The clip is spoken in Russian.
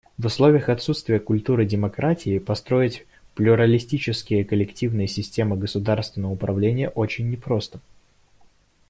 В условиях отсутствия культуры демократии построить плюралистические коллективные системы государственного управления очень не просто.